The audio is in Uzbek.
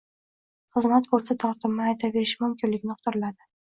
«Xizmat bo‘lsa, tortinmay aytaverishi mumkinligi» uqdiriladi.